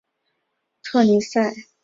特尼塞。